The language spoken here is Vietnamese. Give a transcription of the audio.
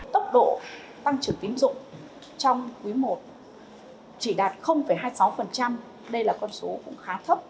tốc độ tăng trưởng tín dụng trong quý i chỉ đạt hai mươi sáu đây là con số cũng khá thấp